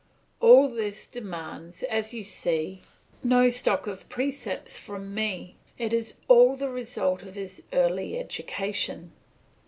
All this demands, as you see, no stock of precepts from me; it is all the result of his early education.